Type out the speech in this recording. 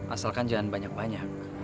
asalkan jangan banyak banyak